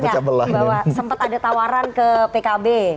sempat ada tawaran ke pkb